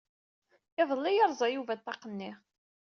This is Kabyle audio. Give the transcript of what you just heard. Iḍelli i yerẓa Yuba ṭṭaq-nni.